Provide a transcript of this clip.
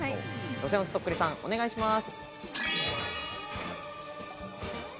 予選落ちそっくりさん、お願いします。